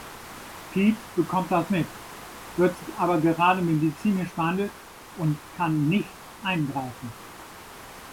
Pete bekommt das mit, wird aber gerade medizinisch behandelt und kann nicht eingreifen.